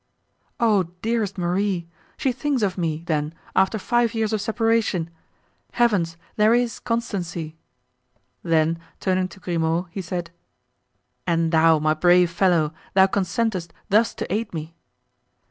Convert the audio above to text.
"Oh, dearest Marie! she thinks of me, then, after five years of separation! Heavens! there is constancy!" Then turning to Grimaud, he said: "And thou, my brave fellow, thou consentest thus to aid me?"